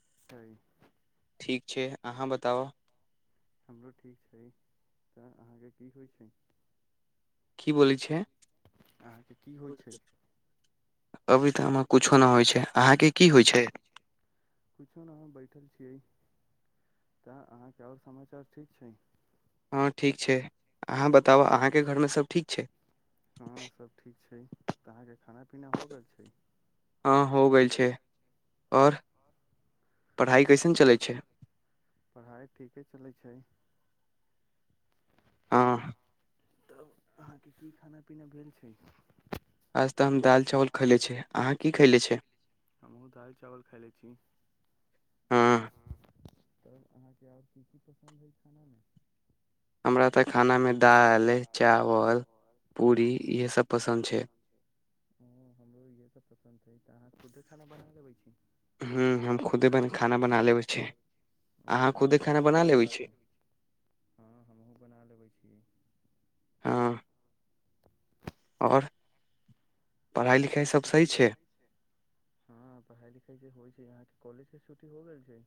[unintelligible] ठीक छै अहाँ बताउ हमरो ठीक छै तऽ अहाँके की होइ छै की ब छै अहाँके की होइ छै अबै तऽ कुछ न होइ छै अहाँके की होइ छै कुछो न अहाँ बैठल छियै तऽ अहाँके आओर समाचार ठीक छै हँ ठीक छै अहाँ बता तब अहाँके घर मे सब ठीक छै हँ सब ठीक छै तऽ अहाँके खाना पीना हो गेल छै हँ हो गेल छै आओर पढ़ाइ कैसन चलै छै पढ़ाइ ठीके चलै छै हँ तब अहाँके की खाना पीना भेल छै आय तऽ हम दालि चावल खयले छ अहाँ की खयले छै हमहु दाल चावल खा ल छी हँ तब अहाँके आओर की की पसन्द हइ खानामे हमरा तऽ खाना मे दाल चावल पूरी इहे पूड़री इ सब छै पसन्द छै हमरो इह सब पसन्द छै खुदे खाना बना लबै छी ह्म हम खुदे खाना बना लेबै छी ओ अहाँ ई तऽ खुदे खाना बहुत बना अच्छा लेबै बात छी छै हँ हमहूँ बना लेबै छी हँ आओर पढ़ाइ आओर लिखाइ सब सही ठीके छै हँ पढ़ाई लिखाई जे होइ छै यहके कॉलज के छुटी हो गेल छै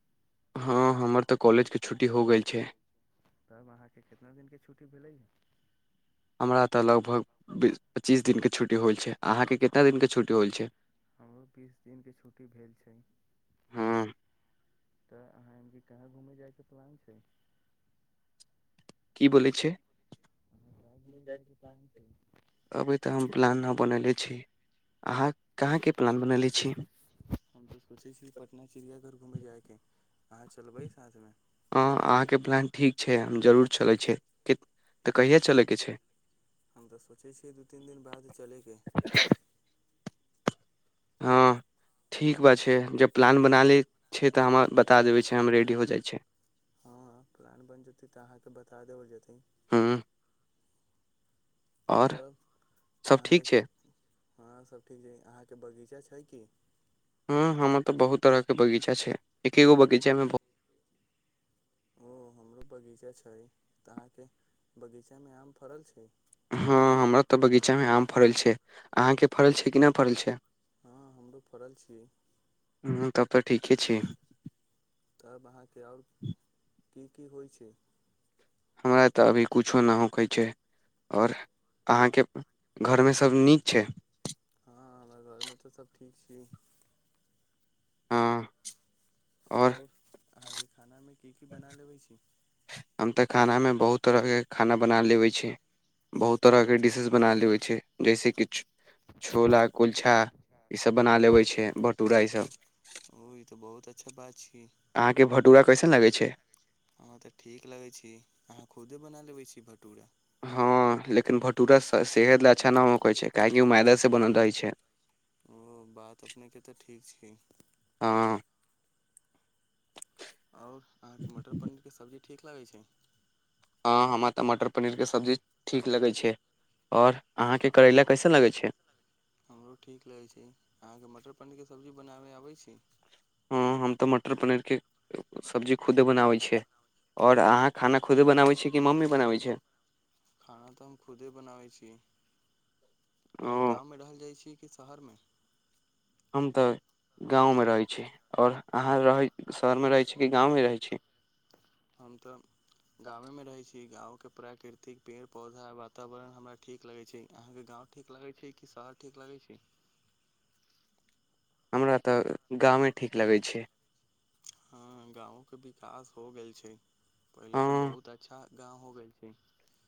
हँ हमर तऽ कॉलेजके छुट्टी हो गेल छै त अहाँके कितना दिनके छुट्टी भेलै हमरा तऽ लगभग बीस पच्चीस दिनके छुट्टी होइ छै अहाँके कतना दिनके छुट्टी होइ छै हमरो बीस दिनके छुट्टी भेल छै हँ तऽ अहाँ कि कहाँ घूमय जायके प्लान छै की बोलै छै अहाँ कहाँ घूमय जायके प्लान छै अभी तऽ हम प्लान नै बनले छी अहाँ कहाँके प्लान बनले छी हम बस खुशी छी पटना चिड़िया घर घूमे जायके हह चलबै साथ मे हँ अहाँके प्लान ठीक छै हम जरूर चलै छै तऽ कहियए चलैके छै हम तऽ सोचै छियै दू तीन दिन बाद चलयके हँ ठीक बा छैय जब प्लान बन नहा लै छैय तऽ हमरा बता देबै छैय, हम रेडी हो जाइ छैय। [unintelligible] त देबल जेतै हँ आओर सब ठीक छै [unintelligible] [unintelligible] हूं हमर तऽ बहुत तरहके बगीचा छैय। एकेगो बगीचेमें बहुत [unintelligible] हँ हमरा तऽ बगीचामे आम फड़ल छैय, अहाँके फड़ल छैय कि नहि फड़ल छैय? [unintelligible] ह तब तऽ ठीके छैय। [unintelligible] [unintelligible] हमरा तऽ अभी कुछो नहि होकै छैय आओर अहाँके घरमे सभ नीक छैय। [unintelligible] हँ आओर [unintelligible] [unintelligible] हम तऽ खानामे बहुत तरहके खाना बना लेबै छैय, बहुत तरहके डिशेज बना लेबै छैय जैसे कि छु छोला, कुल्चा ईसभ बना लेबै छैय, भटूरा इसभ। ओ ई तऽ बहुत अच्छा बात छी अहाँके भटूरा कैसन लागै छैय? [unintelligible] हँ लेकिन भटूरस सेहत लए अच्छा नहि होई छै काहेकि ओ मैदासँ बनल रहै छै ओ बात अपनेके तऽ ठीक छै हँ और अहाँके मटर पनीर के सब्जी ठीक लगैत छै हँ हमरा तऽ मटर पनीरके सब्जी ठीक लगैत छै आओर अहाँके करैला कैसे लगैत छै हमरो ठीक लगै छै अहाँके मटर [unintelligible] सब्जी बनाबे अबै छै हँ हम तऽ मटर पनीरके सब्जी खुदे बनाबै छियै आओर अहाँ खाना खुदे बनाबै छियै कि मम्मी बनाबैत छियय खाना तऽ हम खुदे बनाबे छी अहाँ ओ गाँव मे रहल जाइ छी शहरमे हम तऽ गाँवमे रहै छी आओर अहाँ रहै शहरमे रहै छी कि गाँवमे रहै छी हम तऽ गामे मे रहै छी गाँव प्राकृतिक पेड़ पौधा वातावरण हमरा ठीक लगै छै अहाँके गाँव ठीक लगै छै कि शहर ठीक लगै छै हमरा तऽ गामे ठीक लगै छै हँ गाँंव के विकास हो गेल छै पहिले हँ त बहुत अच्छा गाँव हो गेल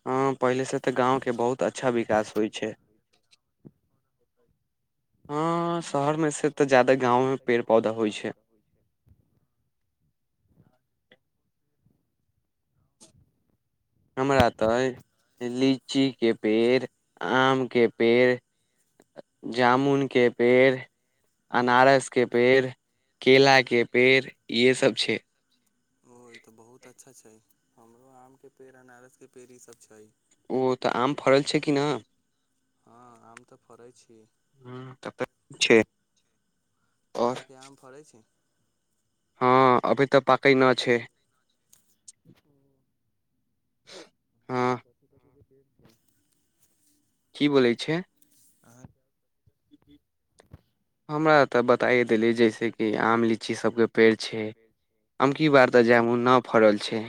हँ पहिलेसँ तऽ गाँवके बहुत अच्छा विकास होइ छै हँ शहरमे से तऽ जादा गाँंव मे पेड़ पौधा होइ छै हमरा तऽ लीचीके पेड़ आमके पेड़ जामुनके पेड़ अनारस के पेड़ केलाके पेड़ इहेसभ छै ओ ई तऽ बहुत अच्छा छै हमरो आम के पेड़ अनारस के पेड़ ईसभ छै ओ तऽ आम फड़ल छै कि ना हँ आम तऽ फड़ैत छी ह त तऽ ठीक छै और अहाँके आम फड़ै छै हँ अभी तऽ पकै नहि छै [unintelligible] ह [unintelligible] [unintelligible] की बोलै छै आह हमरा तऽ बताइ देलीै जैसे कि आम लीची सबके पेड़ छै अमकी बार तऽ जामुन ना फड़ल छै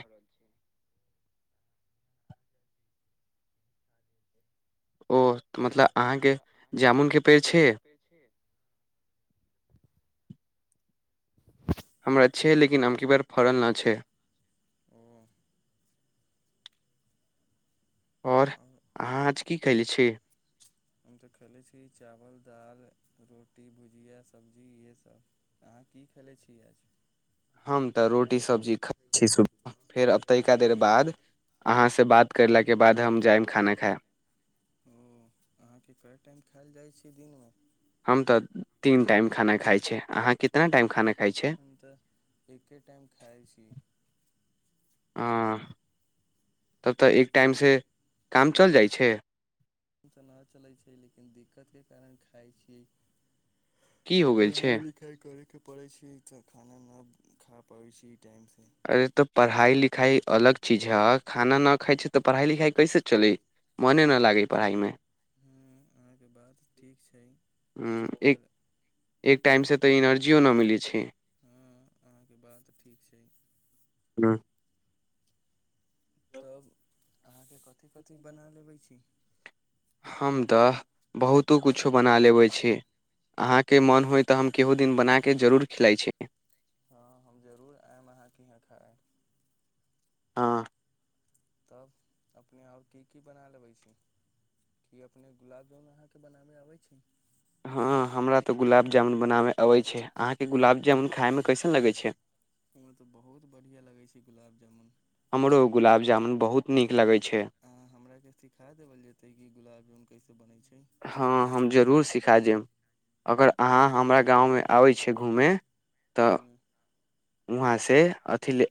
ओ मतलब अहाँके जामुनके पेड़ छै हमरा छै लेकिन अम की बार फड़ल नहि छै ओ आओर अहाँ आज की खयले छी हम तऽ खेलै छी चावल दालि रोटी भुजिया सब्जी इएहेसभ अहाँ की खेलै छी आज हम तऽ रोटी सब्जी खाइ छी सुबह फेर अब तनिका देर बाद अहाँसँ बात करलाके बाद हम जायम खाना खायब ओ अहाँके कए टाइम खायल जाइ छै के दिनमे हम तऽ तीन टाइम खाना खाय छी अहाँ कितना टाइम खाना खाय हम तऽ एके टाइम खाइ छी आ छै तऽ नहि चलै छै लेकिन दिक्कत के कारण खइ छी की हो गेल छै पढ़ाइ लिखाइ करैके छै तऽ खाना न खा पाबै छी टाइमसँ अरे तऽ पढ़ाइ लिखाइ अलग चीज हए खाना नहि खाइ छै तऽ पढ़ाइ लिखाइ कैसे चलै मोने नहि लागै पढ़ाइमे ह अहाँके बात ठीक छै हम्म, एक पर एक टाइमसँ तऽ एनर्जियो नहि मिलै छै हँ अहाँके बात ठीक छै ह तब अहाँके कथिी कथिी बना लेबै छी हम तऽ बहुतो किछो बना लेबै छी अहाँके मोन होय तऽ हम केहू दिन बना कऽ जरूर खिलाइत छी हँ हम जरूर आयब अहाँके यहाँ ख हँ तब अपने आओर की की बना लेबै छी की अपने गुलाब जामुन अहाँके बनाबय अबै छी हँ हमरा तऽ गुलाब जामुन बनाबयमे अबै छै अहाँके गुलाब जामुन खायमे कैसन लगैत छै ओ तऽ बहुत बढ़िआँ लगै छै गुलाब जामुन हमरो गुलाब जामुन बहुत नीक लगैत छै अ हमरा के सिखा देबल जते क गुलाब जामुन कैसे बनै छै हँ हम जरूर सिखा देब अगर अहाँ हमरा गाँवमे आबै छै घूमय तऽ ह्म वहाँसँ अथि ले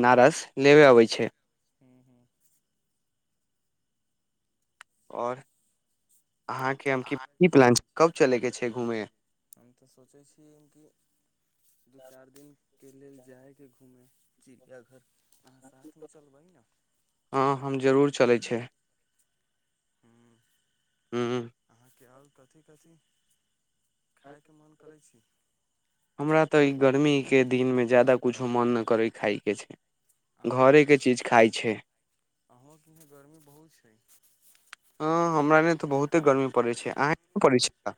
अनारस लेबे अबै छै हूँ हूँ आओर अहाँके हम की की प्लान छै कब चलैके छै घूमे हम तऽ सोचै छीय कि दू चारि दिन के लेल जाइके घूमै चिड़िया घर हँ हम जरूर चलै छै हू क्याल कथी कथी खायके मोन करै छी हमरा तऽ ई गर्मीके दिनमे ज्यादा किछो मन नहि करय खाायके छै अ घरे के चीज खाइ छै अ इ गर्मी बहुत छै हँ हमरा नहि तऽ बहुते गर्मी पड़ै छै अह पड़ै छै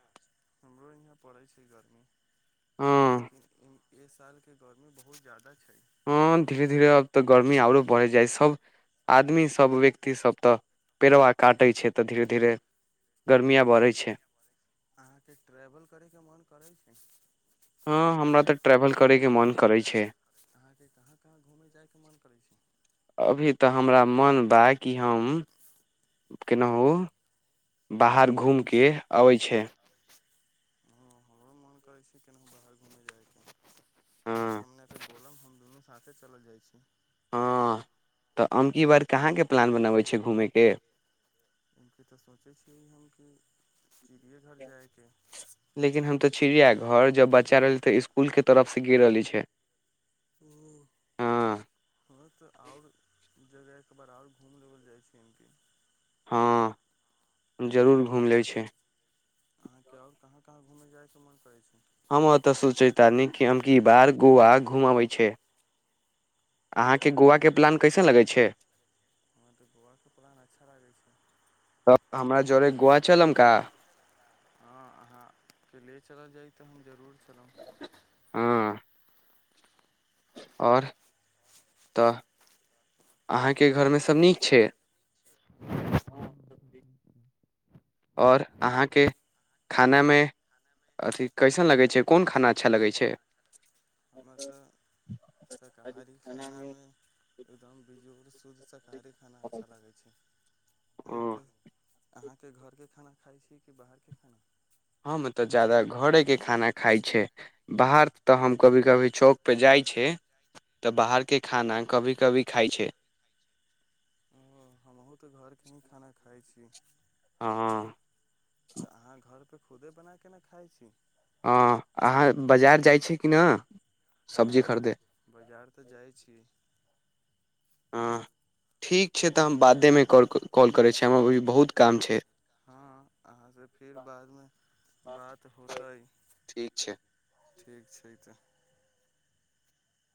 हमरो यहाँ पड़ै छै गर्मी हँ इ साल के गौर में बहुत ज्यदा छै हँ धीरे धीरे आब तऽ गर्मी आओरो बढ़य जाइ सभ आदमी सभ व्यक्तिसभ तऽ पेड़वा काटै छै तऽ धीरे धीरे गर्मिया बढ़ै छै अहाँके ट्रेवल करे के मन करै छै हँ हमरा तऽ ट्रेवल करयके मोन करै छै अहाँके कहाँ कहाँ घूमय जायके मोन करै छै अभी तऽ हमरा मन बा कि हम केनाहु बाहर घूमि कऽ अबै छै हँ हमरो मोन करै छै केनाहु बाहर घूमय जायके हँ बोलम हम दुनू साथे चलल जाइ छी हँ तऽ अमकी बार कहाँके प्लान बनबै छै घूमयके लक तऽ सोचै छियै हम कि चिड़ियेघर जायके लेकिन हम तो चिड़िया घर जब बच्चा रहल तऽ स्कुल के तरफ गिर रहली छै। ह हँ हँ तऽ आओर जगह एक बार आओर घूम लेबल जाय छै हँ जरूर घुमि लै छै। अहाँके आऔर कहाँ कहाँ घूमेय जायके मन करै छै हम ओतय सोचैत न कि हम कि ई बार गोवा घूम अबैत छै ओ अहाँके गोवाकके प्लान कैसन लगैत छै हमरा तऽ गोवाके प्लान अच्छा लागै छै त हमरा जड़े गुआा चलम का हँ अहाँके ले चलल जाइ तऽ हम जरूर चलब हँ आओर तऽ अहाँके घरमे सभ नीक छै [inaudible] सती आओर अहाँके खानामे अथि कैसन लगै छै। कोन खाना अच्छा लगै छै। हमर तऽ शाकाहारी खानामे एकदम बिजोड़ सूध सक ओ [unintelligible] ते घरके खाना खाइ छी कि बाहरके खाना हम तऽ जदाा घरेके खाना खाइ छै। बाहर तऽ हम कभी कभी चौकपर जाइ छी तऽ बाहरके खाना कभी कभी खाइ छै। हमहुँ तऽ घर के ही खाना खाइ छी हँ तऽ अहाँ घरपे खुदे बना के ने खाइ छी हँ अहाँ बाजार जाइ छीै कि नहि सब्जी खरिदे हँ बाजार तऽ जाइ छीिय ह करै छी हमरा अभी बहुत काम छै हँ अहाँ से फिर बादमे बात होतै ठीक छै तऽ